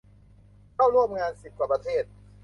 เข้าร่วมงานสิบกว่าประเทศ